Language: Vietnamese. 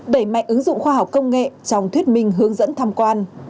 đẩy mạnh ứng dụng khoa học công nghệ trong thuyết minh hướng dẫn tham quan